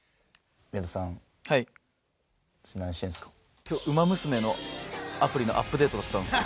今日『ウマ娘』のアプリのアップデートだったんですよ。